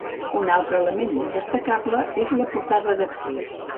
Un altre element molt destacable és la portada d'accés.